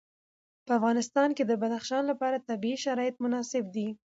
په افغانستان کې د بدخشان لپاره طبیعي شرایط مناسب دي.